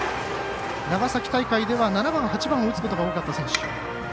長崎大会では７番、８番を打つことが多かった選手。